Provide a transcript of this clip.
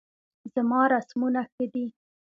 زما رسمونه ښه دي